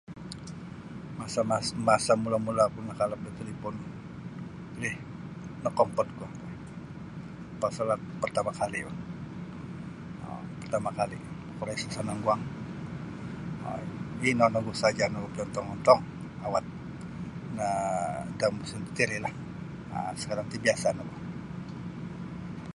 Masa mas masa mula'-mula' oku nakalap da talipon lih nokompod boh pasal at partama' kali' boh oo' partama' kali' kuro isa' sanang guang oo' ih ino nogu saja nogu piyontong-ontong awat nah da musim tatirilah sakarang ti biasa' nogu.